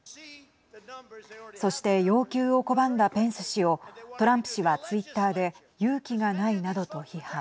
そして要求を拒んだペンス氏をトランプ氏はツイッターで勇気がないなどと批判。